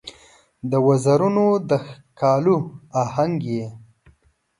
د وزرونو د ښکالو آهنګ یې